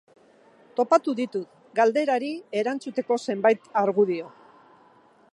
Topatu ditut galderari erantzuteko zenbait argudio.